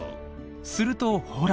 するとほら。